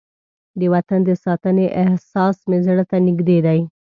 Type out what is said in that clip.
د وطن د ساتنې احساس مې زړه ته نږدې دی.